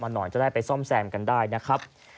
หน่อยจะได้ไปซ่อมแซมกันได้นะครับ